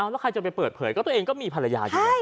แล้วใครจะไปเปิดเผยก็ตัวเองก็มีภรรยาอยู่แล้ว